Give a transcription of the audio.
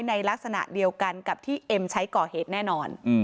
ในลักษณะเดียวกันกับที่เอ็มใช้ก่อเหตุแน่นอน